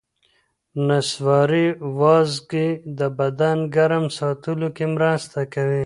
نسواري وازګې د بدن ګرم ساتلو کې مرسته کوي.